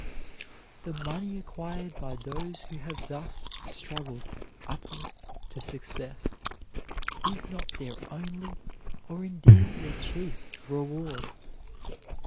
The money acquired by those who have thus struggled upward to success is not their only, or indeed their chief reward.